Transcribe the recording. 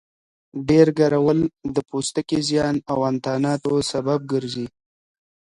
ډېر ګرول د پوستکي زیان او انتاناتو سبب ګرځي.